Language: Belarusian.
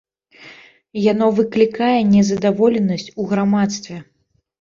Яно выклікае незадаволенасць у грамадстве.